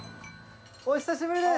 お久しぶりです。